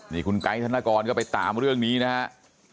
นี่คุณไกด์ธนกรก็ไปตามเรื่องนี้นะครับ